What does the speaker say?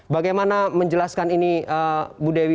bagaimana menjelaskan ini bu dewi